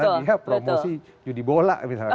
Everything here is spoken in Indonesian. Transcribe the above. karena dia promosi judi bola misalkan